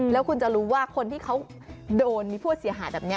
แล้วคุณจะรู้ว่าคนที่เขาโดนมีผู้เสียหายแบบนี้